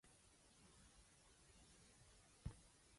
Six to eight minor eruptions occur about one hour apart.